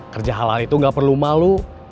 kerja halal itu gak perlu malu